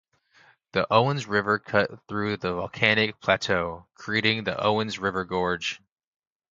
The Owens River cut through the volcanic plateau, creating the Owens River Gorge.